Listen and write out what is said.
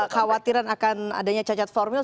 kekhawatiran akan adanya cacat formil